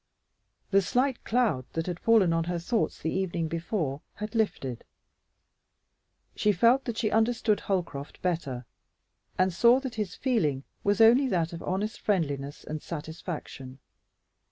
The slight cloud that had fallen on her thoughts the evening before had lifted. She felt that she understood Holcroft better, and saw that his feeling was only that of honest friendliness and satisfaction.